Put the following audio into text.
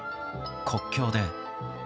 国境で。